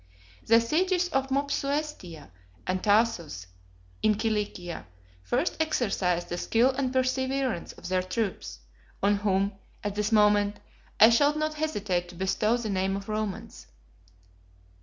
The sieges of Mopsuestia and Tarsus, in Cilicia, first exercised the skill and perseverance of their troops, on whom, at this moment, I shall not hesitate to bestow the name of Romans.